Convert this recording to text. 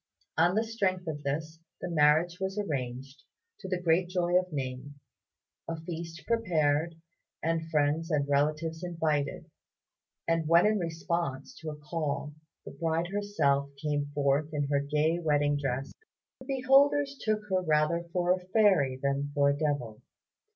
On the strength of this the marriage was arranged to the great joy of Ning, a feast prepared, and friends and relatives invited; and when in response to a call the bride herself came forth in her gay wedding dress, the beholders took her rather for a fairy than for a devil.